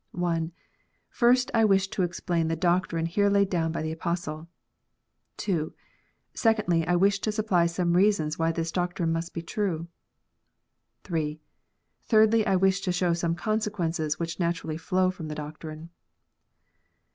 I. First, I wish to explain the doctrine here laid down by the Apostle. II. Secondly, I wish to supply some reasons why this doc trine must be true. III. Thirdly, I wish to show some consequences which naturally flow from the doctrine.